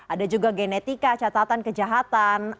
ada juga genetika catatan kejahatan anak keuangan pribadi